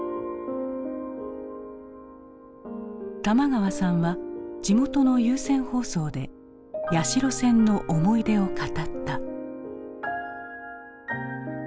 玉川さんは地元の有線放送で屋代線の思い出を語った。